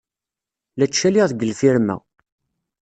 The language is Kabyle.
La ttcaliɣ deg lfirma.